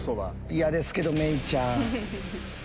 嫌ですけど芽郁ちゃん。